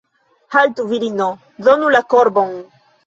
Haltu, virino, donu la korbon!